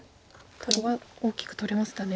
黒は大きく取れましたね。